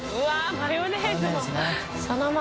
マヨネーズね。